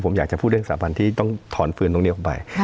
ผมอยากจะพูดเรื่องสถาบันที่ต้องถอนฟืนตรงนี้ออกไป